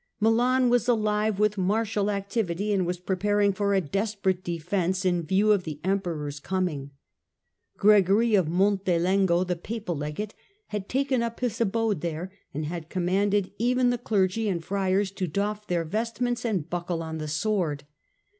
Milan was alive with martial activity and was preparing for a desperate defence in view of the Emperor's coming. Gregory of Montelengo, the Papal Legate, had taken up his abode there and had commanded even the clergy and friars to doff their vestments and buckle on the sword.